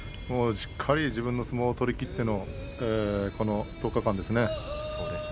しっかり自分の相撲を取りきってのこの１０日間ですね。